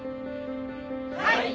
はい！